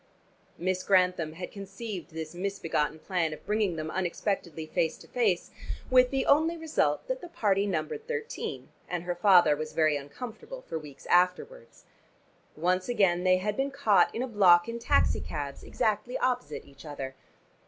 Miss Grantham had conceived this misbegotten plan of bringing them unexpectedly face to face, with the only result that the party numbered thirteen, and her father was very uncomfortable for weeks afterwards. Once again they had been caught in a block in taxi cabs exactly opposite each other.